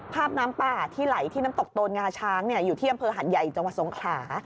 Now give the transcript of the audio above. น้ำป่าที่ไหลที่น้ำตกโตนงาช้างอยู่ที่อำเภอหัดใหญ่จังหวัดสงขลา